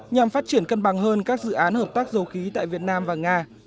nhằm phát triển cân bằng hơn các dự án hợp tác dầu khí tại việt nam và nga